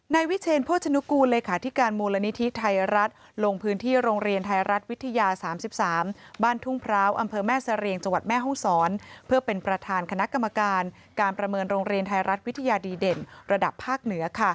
วิเชนโภชนุกูลเลขาธิการมูลนิธิไทยรัฐลงพื้นที่โรงเรียนไทยรัฐวิทยา๓๓บ้านทุ่งพร้าวอำเภอแม่เสรียงจังหวัดแม่ห้องศรเพื่อเป็นประธานคณะกรรมการการประเมินโรงเรียนไทยรัฐวิทยาดีเด่นระดับภาคเหนือ